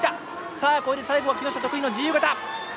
さあこれで最後は木下得意の自由形。